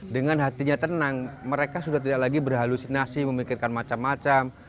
dengan hatinya tenang mereka sudah tidak lagi berhalusinasi memikirkan macam macam